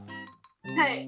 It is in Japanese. はい。